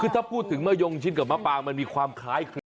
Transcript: คือถ้าพูดถึงมะยงชิ้นกับมะปางมันมีความคล้ายคลึง